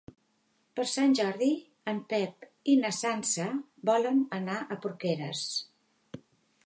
Per Sant Jordi en Pep i na Sança volen anar a Porqueres.